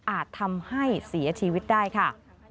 อาจทำให้เสียชีวิตได้ค่ะ